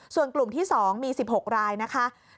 ส่วนกลุ่มที่๒มี๑๖รายนะคะ